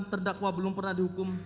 terdakwa belum pernah diselamatkan